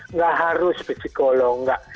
nggak harus psikolog